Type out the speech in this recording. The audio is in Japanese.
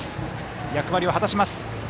役割を果たします。